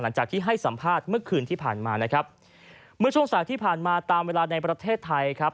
หลังจากที่ให้สัมภาษณ์เมื่อคืนที่ผ่านมานะครับเมื่อช่วงสายที่ผ่านมาตามเวลาในประเทศไทยครับ